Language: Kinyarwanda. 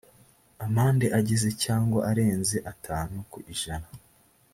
amande ageze cyangwa arenze atanu ku ijana